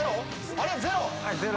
あれっゼロ？